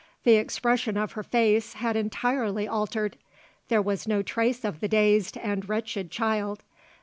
The expression of her face had entirely altered; there was no trace of the dazed and wretched child.